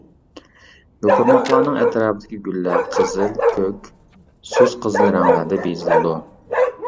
يوپۇرماقلارنىڭ ئەتراپىدىكى گۈللەر قىزىل، كۆك، سۇس قىزىل رەڭلەردە بېزىلىدۇ.